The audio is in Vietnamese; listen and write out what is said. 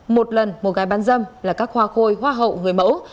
một lần một gái bán dâm là các hoa khôi hoa hậu người mẫu